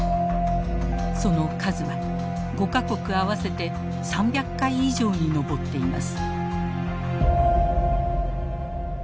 その数は５か国合わせて３００回以上に上っています。